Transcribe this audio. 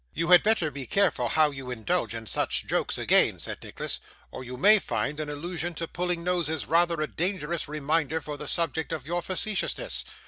'You had better be careful how you indulge in such jokes again,' said Nicholas, 'or you may find an allusion to pulling noses rather a dangerous reminder for the subject of your facetiousness.